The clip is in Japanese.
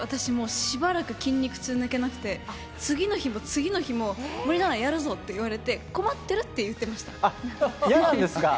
私もしばらく筋肉痛が抜けなくて、次の日も次の日も、森七菜やるぞ！って言われて困ってるって言ってました。